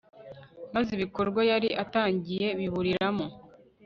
maze ibikorwa yari atangiye biburiramo